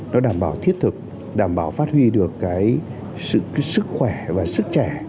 nó đảm bảo thiết thực đảm bảo phát huy được cái sức khỏe và sức trẻ